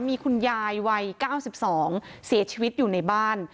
มีคุณยายวัยเก้าสิบสองเสียชีวิตอยู่ในบ้าน